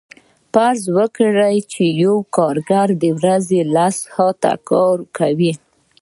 فرض کړئ یو کارګر په ورځ کې لس ساعته کار کوي